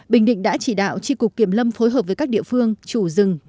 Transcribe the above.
bình định đã chỉ đạo tri cục kiểm lâm phối hợp với các địa phương chủ rừng